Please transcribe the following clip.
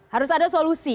harus ada solusi